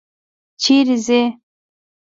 چیرې څې؟